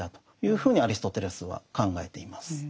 ふうにアリストテレスは考えています。